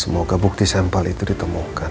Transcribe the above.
semoga bukti sampel itu ditemukan